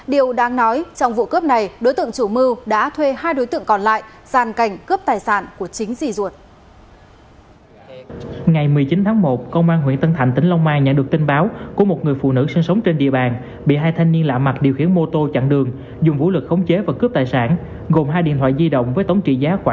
điều đang nói trong vụ cướp này đối tượng chủ mưu đã thuê hai đối tượng còn lại gian cảnh cướp tài sản của chính di duột